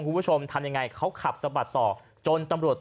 คุณผู้ชมทำยังไงเขาขับสะบัดต่อจนตำรวจ